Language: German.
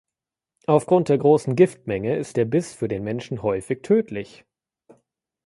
Aufgrund der großen Giftmenge ist der Biss für den Menschen häufig tödlich.